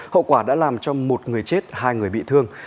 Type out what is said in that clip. hậu quả đã làm cho một người chết hai người bị thương